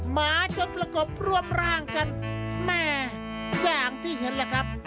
หมาจนประกบร่วมร่างกันแม่อย่างที่เห็นแหละครับ